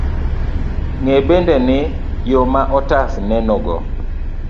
Ng'e bende ni, yo ma otas nenogo,